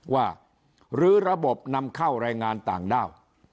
หรือระบบนำเข้าแรงงานต่างด้าว